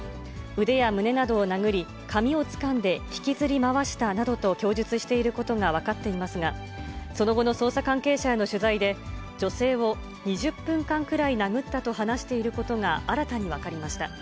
腕や胸などを殴り、髪をつかんで引きずり回したなどと供述していることが分かっていますが、その後の捜査関係者への取材で、女性を２０分間くらい殴ったと話していることが新たに分かりました。